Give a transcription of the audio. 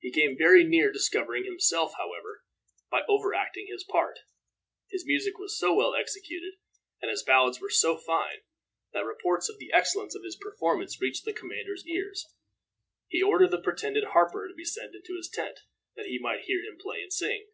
He came very near discovering himself, however, by overacting his part. His music was so well executed and his ballads were so fine, that reports of the excellence of his performance reached the commander's ears. He ordered the pretended harper to be sent into his tent, that he might hear him play and sing.